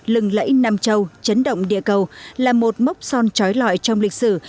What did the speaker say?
lẫy nam châu chấn động địa cầu là một mốc son trói lọi trong lịch sử